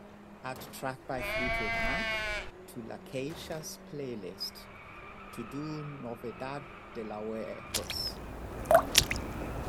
Add track by Fleetwood Mac to lakeisha's playlist TODO NOVEDADelawareS